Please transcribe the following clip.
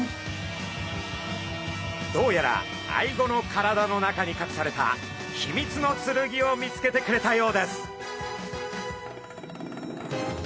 どうやらアイゴの体の中にかくされた秘密の剣を見つけてくれたようです。